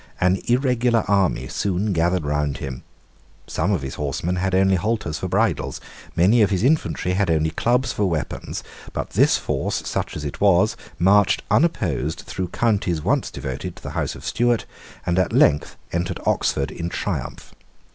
An irregular army soon gathered round him. Some of his horsemen had only halters for bridles. Many of his infantry had only clubs for weapons. But this force, such as it was, marched unopposed through counties once devoted to the House of Stuart, and at length entered Oxford in triumph.